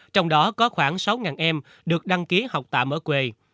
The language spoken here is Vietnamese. trong đó có khoảng sáu em được đăng ký học tạm ở quê